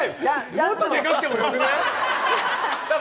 もっとデカくてもよくない？